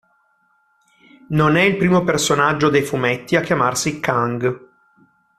Non è il primo personaggio dei fumetti a chiamarsi Kang.